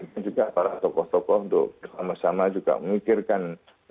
dan juga para tokoh tokoh untuk bersama sama juga memikirkan